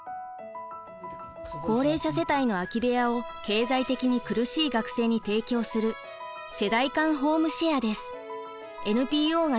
高齢者世帯の空き部屋を経済的に苦しい学生に提供するＮＰＯが仲介しました。